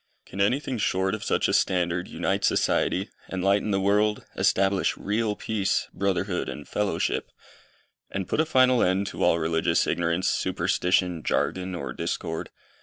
Can anything short of such a standard unite society, enlighten the world, establish real peace, brotherhood and fellowship, and put a final end to all religious ignorance, superstition, jargon, or discord?